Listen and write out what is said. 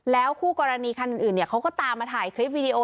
คู่กรณีคันอื่นเขาก็ตามมาถ่ายคลิปวิดีโอ